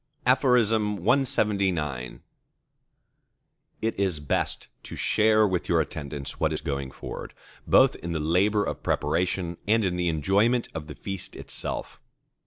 CLXXX It is best to share with your attendants what is going forward, both in the labour of preparation and in the enjoyment of the feast itself.